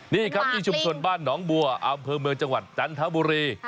นี่ครับที่ชุมชนบ้านหนองบัวอำเภอเมืองจังหวัดจันทบุรี